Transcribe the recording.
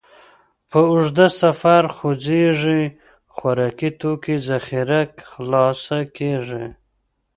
په اوږده سفر خوځېږئ، خوراکي توکو ذخیره خلاصه کېږي.